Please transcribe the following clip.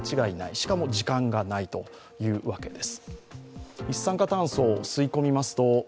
しかも時間がないというわけです。